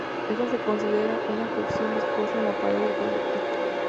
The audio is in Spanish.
Esta se considera una fricción viscosa en la pared del conducto.